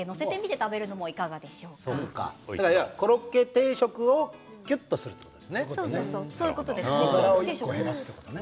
コロッケ定食をきゅっとするということですね。